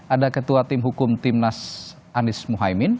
ada ketua tim hukum timnas anies muhaymin